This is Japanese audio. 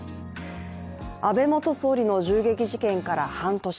安倍元総理の銃撃事件から半年。